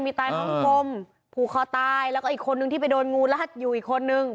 มีไตล์มองกรมผู้คอตายแล้วอีกคนนึงที่ไปโดนงูรัก